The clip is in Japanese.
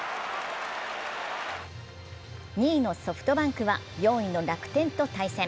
２位のソフトバンクは４位の楽天と対戦。